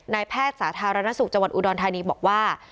นายแพทย์สาธารณสุขจอุดรทานีบอกว่า